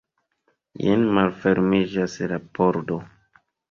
Jen malfermiĝas la pordo.